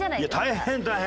大変大変！